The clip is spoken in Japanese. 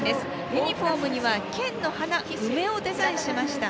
ユニフォームには、県の花梅をデザインしました。